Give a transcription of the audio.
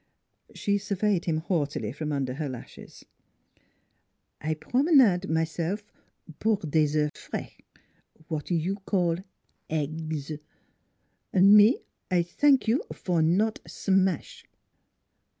" She surveyed him haughtily from under her lashes. " I promenade myself, pour des ceufs frals w'at you call aigs. Me I t'ank you for not sm ash."